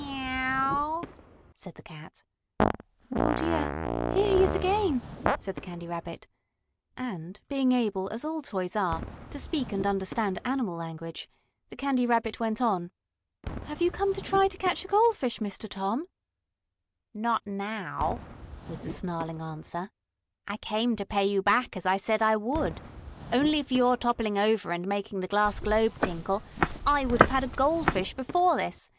"Meow!" said the cat. "Oh, dear, here he is again!" said the Candy Rabbit, and, being able, as all toys are, to speak and understand animal language, the Candy Rabbit went on: "Have you come to try to catch a goldfish, Mr. Tom?" [Illustration: "It Was Not My Fault," Said Candy Rabbit. Page 43] "Not now!" was the snarling answer. "I came to pay you back, as I said I would! Only for your toppling over and making the glass globe tinkle, I would have had a goldfish before this.